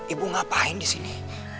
ibu ngapain disini